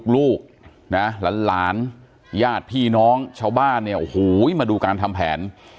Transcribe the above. ลูกนะหลานญาติพี่น้องชาวบ้านเนี่ยโอ้โหมาดูการทำแผน